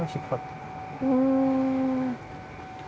うん。